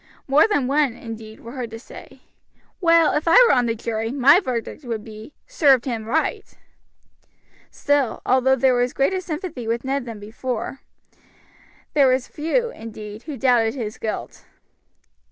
More than one, indeed, were heard to say, "Well, if I were on the jury, my verdict would be, Served him right." Still, although there was greater sympathy than before with Ned, there were few, indeed, who doubted his guilt.